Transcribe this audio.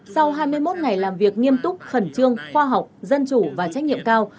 sau hai mươi một ngày làm việc nghiêm túc khẩn trương khoa học dân chủ và trách nhiệm cao